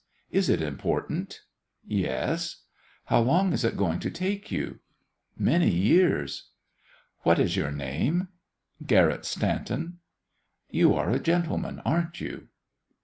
"Is it important?" "Yes." "How long is it going to take you?" "Many years." "What is your name?" "Garrett Stanton." "You are a gentleman, aren't you?"